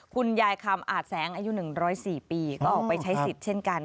คุณยายคำอาจแสงอายุ๑๐๔ปีก็ออกไปใช้สิทธิ์เช่นกัน